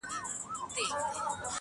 • زما د فكر د ائينې شاعره .